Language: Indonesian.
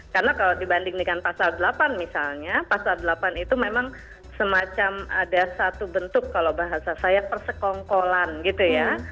karena kalau dibandingkan pasal delapan misalnya pasal delapan itu memang semacam ada satu bentuk kalau bahasa saya persekongkolan gitu ya